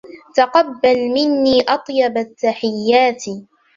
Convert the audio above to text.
تقبل مني أطيب التحيات.